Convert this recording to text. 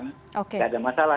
nggak ada masalah